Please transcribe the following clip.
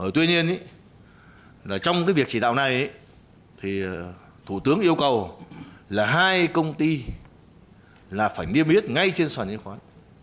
tuy nhiên trong cái việc chỉ đạo này thủ tướng yêu cầu là hai công ty là phải niêm yết ngay trên sản liên khoán